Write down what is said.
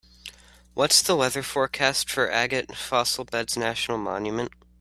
What is the weather forecast for Agate Fossil Beds National Monument